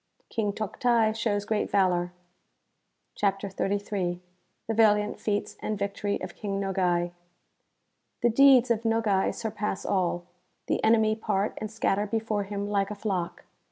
King Toctai shows great valour.) CHAPTER XXXIII. 1 HI, VALIANT FkaTS AND ViCTORV OK KlXG NOCAI. |~{'riiii deeds of Nogai surpass all; the enemy part and scatter before him like a flock.